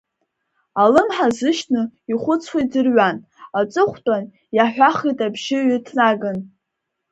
Алымҳа азышьҭны, ихәыцуа иӡырҩуан, Аҵыхәтәан иаҳәахит, абжьы ҩыҭнаган…